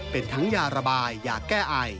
เป็นทั้งยาระบายยาแก้ไอ